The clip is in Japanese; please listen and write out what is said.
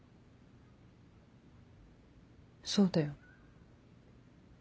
そうだよ。